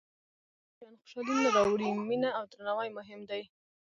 • یوازې مادي شیان خوشالي نه راوړي، مینه او درناوی مهم دي.